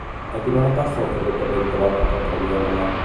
A quina hora passa el ferrocarril que va cap a Premià de Mar?